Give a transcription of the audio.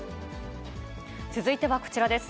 続いてはこちらです。